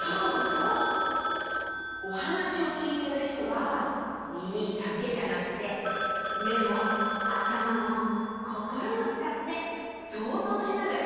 おはなしをきいてるひとはみみだけじゃなくてめもあたまもこころもつかってそうぞうしながらきいてるよ。